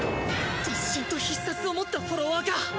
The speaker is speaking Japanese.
突進と必殺を持ったフォロワーか！